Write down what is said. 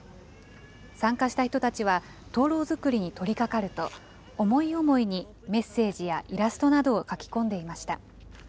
参加した人たちは、灯籠作りに取りかかると、思い思いにメッセージやイラストなどを書き込んでいました。